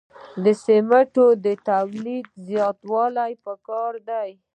د سمنټو تولید زیاتول پکار دي